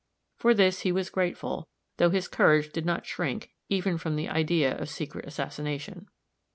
For this he was grateful, though his courage did not shrink, even from the idea of secret assassination.